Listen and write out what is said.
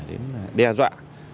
đến đe dọa